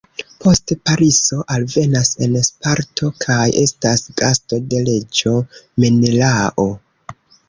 Poste Pariso alvenas en Sparto kaj estas gasto de reĝo Menelao.